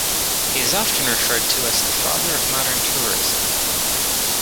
He is often referred to as the 'father of modern tourism'.